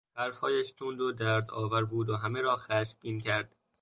حرفهایش تند و دردآور بود و همه را خشمگین کرد.